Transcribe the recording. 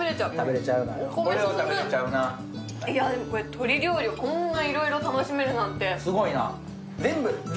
鶏料理をこんなにいろいろ楽しめるなんて。